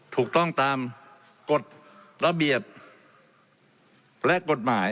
ถูกต้องตามกฎระเบียบและกฎหมาย